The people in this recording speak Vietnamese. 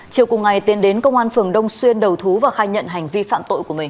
chiều cùng ngày tiến đến công an phường đông xuyên đầu thú và khai nhận hành vi phạm tội của mình